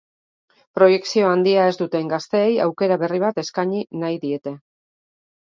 Proiekzio handia ez duten gazteei aukera berri bat eskaini nahi diete.